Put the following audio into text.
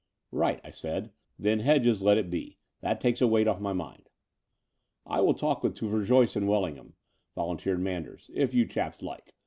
''Right," said I; "then Hedges let it be. That takes a weight oS my mind." "I will talk to Verjoyce and Wellingham," volunteered Manders, "if you chaps like.